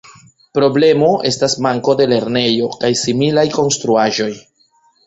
Problemo estas manko de lernejo kaj similaj konstruaĵoj.